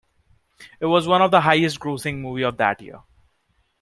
It was one of the highest-grossing movie of that year.